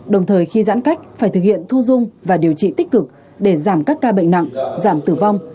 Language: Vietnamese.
đồng thời khi giãn cách phải thực hiện thu dung và điều trị tích cực để giảm các ca bệnh nặng giảm tử vong